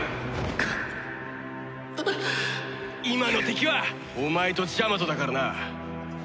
今の敵はお前とジャマトだからな。